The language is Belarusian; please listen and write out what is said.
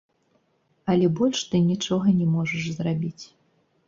Але больш ты нічога не можаш зрабіць.